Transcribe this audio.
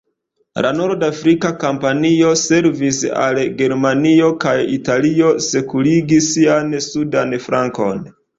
La Nord-Afrika kampanjo servis al Germanio kaj Italio sekurigi sian sudan flankon.